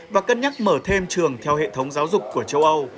và cân nhắc mở thêm trường theo hệ thống giáo dục của châu âu